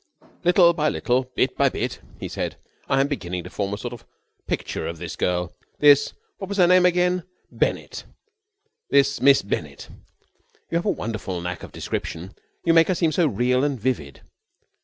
"Little by little, bit by bit," he said, "I am beginning to form a sort of picture of this girl, this what was her name again? Bennett this Miss Bennett. You have a wonderful knack of description. You make her seem so real and vivid.